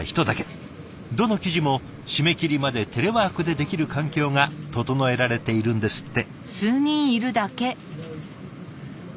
どの記事も締め切りまでテレワークでできる環境が整えられているんですって。